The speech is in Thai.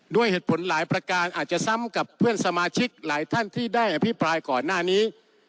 ด้วยเหตุผลหลายประการอาจจะซ้ำกับเพื่อนสมาชิกหลายท่านที่ได้อภิปรายก่อนหน้านี้